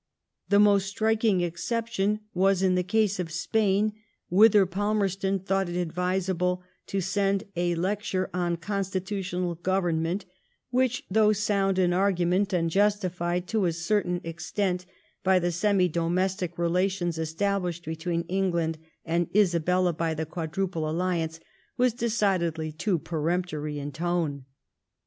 The most striking exception was in the case of Spain, whither Palmerston thought it advisable to sBnd a lecture on constitutional government, which, though sound in argument^ and justified to a certain extent by the semi domestic relations established between England and Isabella by the Quadruple alliance, was decidedly too peremptory in tone.